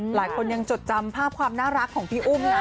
หลายคนยังจดจำภาพความน่ารักของพี่อุ้มนะ